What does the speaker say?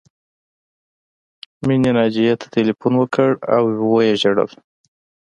مینې ناجیې ته ټیلیفون وکړ او وژړل